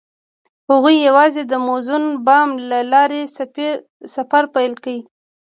هغوی یوځای د موزون بام له لارې سفر پیل کړ.